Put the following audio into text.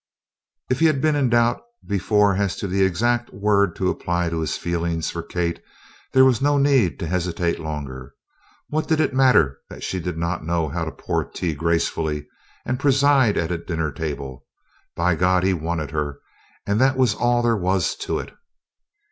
If he had been in doubt before as to the exact word to apply to his feelings for Kate, there was no need to hesitate longer. What did it matter that she did not know how to pour tea gracefully and preside at a dinner table? By God he wanted her, and that was all there was to it!